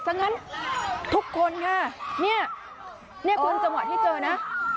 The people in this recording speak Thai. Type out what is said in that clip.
งั้นทุกคนค่ะเนี่ยคุณจังหวะที่เจอนะ